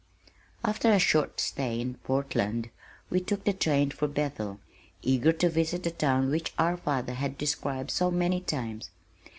After a short stay in Portland we took the train for Bethel, eager to visit the town which our father had described so many times.